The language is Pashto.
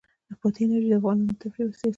بادي انرژي د افغانانو د تفریح یوه وسیله ده.